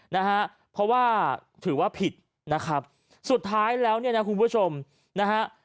นะฮะเพราะว่าถือว่าผิดนะครับสุดท้ายแล้วเนี่ยนะคุณผู้ชมนะฮะ